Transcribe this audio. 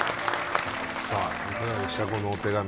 さあいかがでしたこのお手紙。